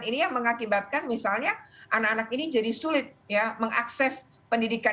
ini yang mengakibatkan misalnya anak anak ini jadi sulit ya mengakses pendidikan